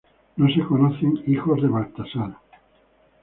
No se conocen hijos de Baltasar.